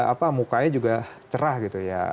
apa mukanya juga cerah gitu ya